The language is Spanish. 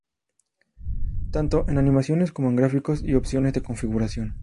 Tanto en animaciones como en gráficos y opciones de configuración.